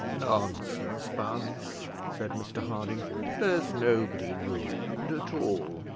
"Nonsense, Bunce," said Mr Harding; "there's nobody ruined at all.